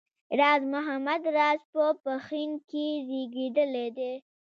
راز محمد راز په پښین کې زېږېدلی دی